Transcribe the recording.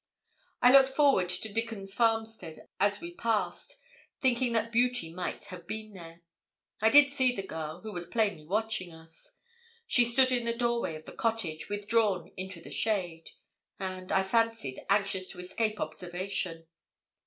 I looked toward Dickon's farmstead as we passed, thinking that Beauty might have been there. I did see the girl, who was plainly watching us. She stood in the doorway of the cottage, withdrawn into the shade, and, I fancied, anxious to escape observation.